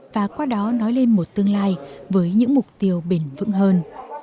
và qua đó nói lên một tương lai với những mục tiêu bền vững hơn